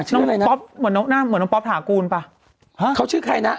ชื่ออะไรนะน้องน้องน่าเหมือนน้องป๊อปถาคูณป่ะฮะเขาชื่อใครน่ะ